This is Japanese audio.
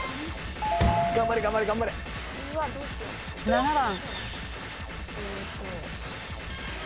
７番。